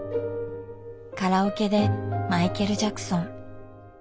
カラオケでマイケル・ジャクソン。